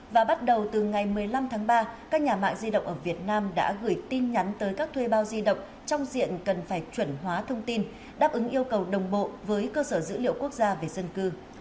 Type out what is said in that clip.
và bắt đầu từ ngày một mươi năm tháng ba các nhà mạng di động ở việt nam đã gửi tin nhắn tới các thuê bao di động trong diện cần phải chuẩn hóa thông tin đáp ứng yêu cầu đồng bộ với cơ sở dữ liệu quốc gia về dân cư